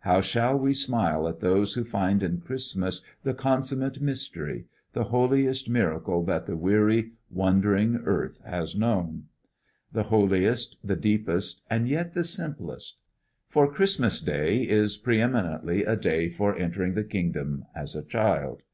How shall we smile at those who find in Christmas the consummate Mystery, the holiest miracle that the weary, wondering earth has known? The holiest, the deepest, and yet the simplest! For Christmas Day is pre eminently a day for entering the kingdom as a child.